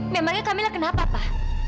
memangnya kamila kenapa pa